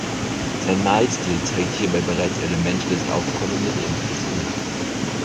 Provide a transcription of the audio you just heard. Sein Malstil zeigt hierbei bereits Elemente des aufkommenden Impressionismus.